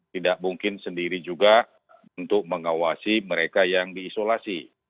tidak mungkin sendiri juga untuk mengawasi mereka yang diisolasi